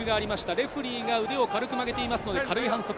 レフェリーが腕を曲げていますので、軽い反則。